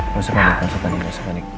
gak usah panik gak usah panik